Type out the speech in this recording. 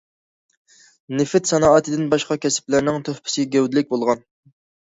نېفىت سانائىتىدىن باشقا كەسىپلەرنىڭ تۆھپىسى گەۋدىلىك بولغان.